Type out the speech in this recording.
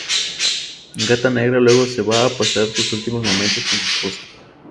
Gata Negra luego se va a pasar sus últimos momentos con su esposa.